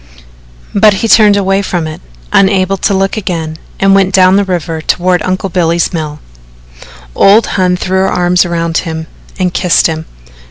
But he turned away from it, unable to look again, and went down the river toward Uncle Billy's mill. Old Hon threw her arms around him and kissed him.